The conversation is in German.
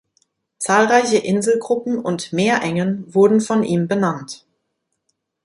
Zahlreiche Inselgruppen und Meerengen wurden von ihm benannt.